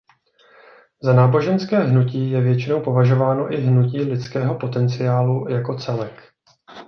Za náboženské hnutí je většinou považováno i Hnutí lidského potenciálu jako celek.